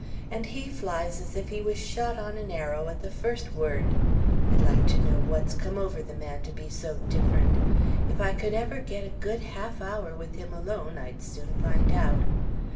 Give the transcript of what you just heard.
And he flies as if he was shot on an arrow, at the first word. I'd like to know what's come over the man, to be so different. If I could ever get a good half hour with him alone, I'd soon find out.